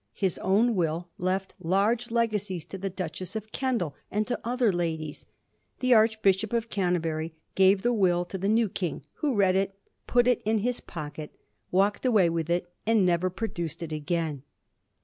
His own will left large lega cies to the Duchess of Kendal, and to other ladies. The Archbishop of Canterbury gave the will to the new King, who read it, put it in his pocket, walked away with it, and never produced it again.